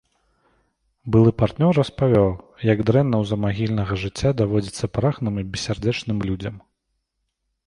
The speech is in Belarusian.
Былы партнёр распавёў, як дрэнна ў замагільнага жыцця даводзіцца прагным і бессардэчна людзям.